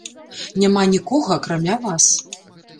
Няма нікога, акрамя вас.